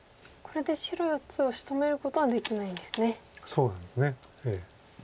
そうなんです。